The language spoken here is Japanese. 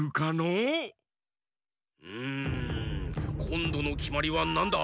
うんこんどのきまりはなんだ？